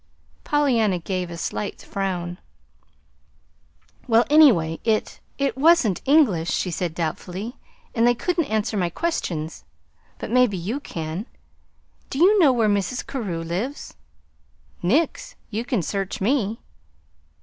Pollyanna gave a slight frown. "Well, anyway, it it wasn't English," she said doubtfully; "and they couldn't answer my questions. But maybe you can. Do you know where Mrs. Carew lives?" "Nix! You can search me."